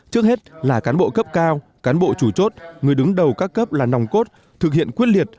trước hết là cán bộ cấp cao cán bộ chủ chốt người đứng đầu các cấp là nòng cốt thực hiện quyết liệt